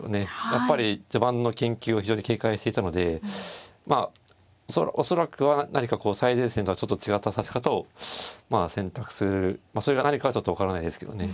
やっぱり序盤の研究を非常に警戒していたのでまあ恐らくは何かこう最前線とはちょっと違った指し方をまあ選択するまあそれが何かはちょっと分からないですけどね。